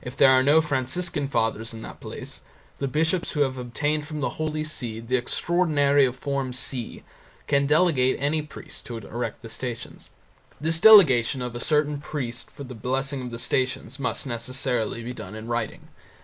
If there are no Franciscan Fathers in that place the bishops who have obtained from the Holy See the extraordinary of Form C can delegate any priest to erect the Stations. This delegation of a certain priest for the blessing of the Stations must necessarily be done in writing.